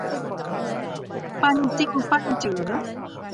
ปั้นจิ้มปั้นเจ๋อ